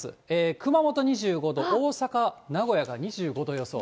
熊本２５度、大阪、名古屋が２５度予想。